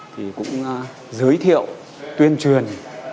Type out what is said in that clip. thì cũng giới thiệu tuyên truyền